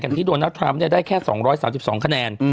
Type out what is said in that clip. กันที่ดวนธร์ทรัพย์ได้แค่๒๓๒คะแนน